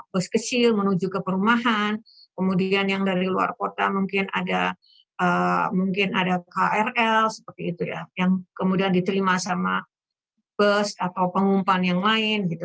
bos kecil menuju ke perumahan kemudian yang dari luar kota mungkin ada krl seperti itu ya yang kemudian diterima sama perumahan